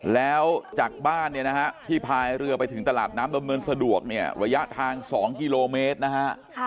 แล้วจากบ้านที่พายเรือไปถึงตลาดน้ำบำเบินสะดวกระยะทาง๒กิโลเมตรนะฮะ